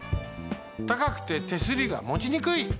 たかくて手すりがもちにくい。